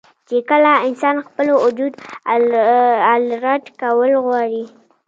چې کله انسان خپل وجود الرټ کول غواړي